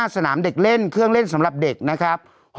สนามเด็กเล่นเครื่องเล่นสำหรับเด็กนะครับ